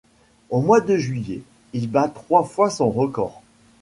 Au mois de juillet, il bat trois fois son record.